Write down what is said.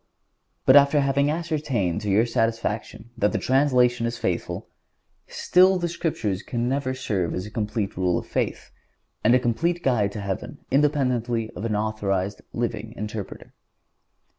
But after having ascertained to your satisfaction that the translation is faithful, still the Scriptures can never serve as a complete Rule of Faith and a complete guide to heaven independently of an authorized, living interpreter.